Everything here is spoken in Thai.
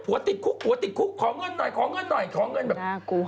ติดคุกผัวติดคุกขอเงินหน่อยขอเงินหน่อยขอเงินแบบ